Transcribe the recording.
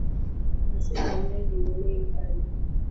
Asemanyi ahinya, nein kanye?